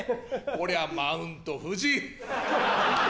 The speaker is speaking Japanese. こりゃあマウントフジ。